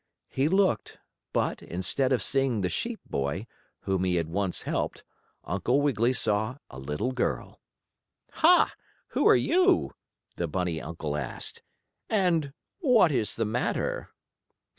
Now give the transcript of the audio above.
He looked, but, instead of seeing the sheep boy, whom he had once helped, Uncle Wiggily saw a little girl. "Ha! Who are you?" the bunny uncle asked, "and what is the matter?"